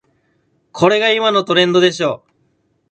これが今のトレンドでしょ